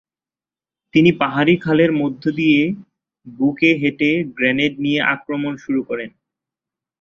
তিনি পাহাড়ি খালের মধ্য দিয়ে বুকে হেঁটে গ্রেনেড নিয়ে আক্রমণ শুরু করেন।